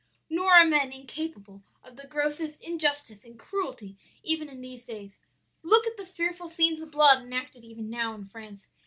"'Nor are men incapable of the grossest injustice and cruelty even in these days. Look at the fearful scenes of blood enacted even now in France!